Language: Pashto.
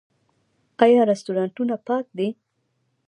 آیا رستورانتونه پاک دي؟